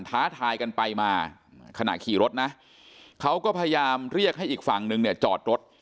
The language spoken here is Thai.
ท้าทายกันไปมาขณะขี่รถนะเขาก็พยายามเรียกให้อีกฝั่งนึงเนี่ยจอดรถ